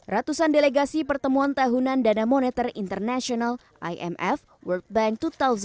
ratusan delegasi pertemuan tahunan dana moneter internasional imf world bank dua ribu delapan belas